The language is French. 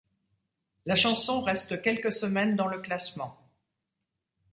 La chanson reste quelques semaines dans le classement.